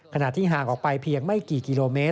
ขณะที่ห่างออกไปเพียงไม่กี่กิโลเมตร